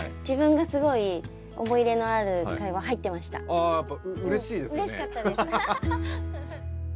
ああやっぱうれしいですよね。